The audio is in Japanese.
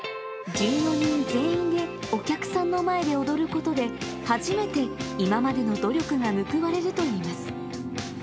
１４人全員でお客さんの前で踊ることで、初めて今までの努力が報われるといいます。